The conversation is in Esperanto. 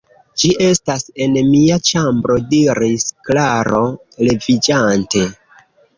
Ĝi estas en mia ĉambro diris Klaro leviĝante.